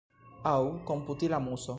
Aŭ komputila muso.